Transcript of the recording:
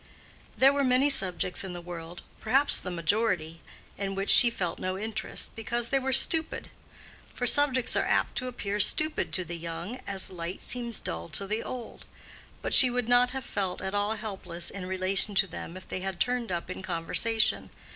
There were many subjects in the world—perhaps the majority—in which she felt no interest, because they were stupid; for subjects are apt to appear stupid to the young as light seems dull to the old; but she would not have felt at all helpless in relation to them if they had turned up in conversation.